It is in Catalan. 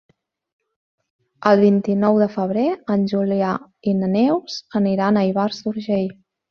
El vint-i-nou de febrer en Julià i na Neus aniran a Ivars d'Urgell.